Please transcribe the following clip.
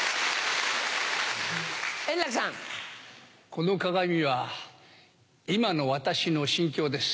この鏡は今の私の心境です。